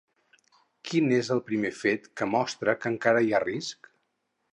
Quin és el primer fet que mostra que encara hi ha risc?